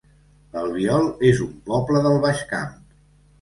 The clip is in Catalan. L'Albiol es un poble del Baix Camp